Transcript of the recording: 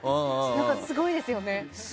すごいですよね。